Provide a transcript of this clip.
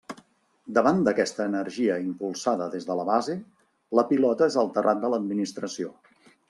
Davant d'aquesta energia impulsada des de la base, la pilota és al terrat de l'administració.